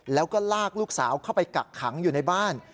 แล้วก็ลากลูกสาวเข้าไปกักขังอยู่ในบ้าน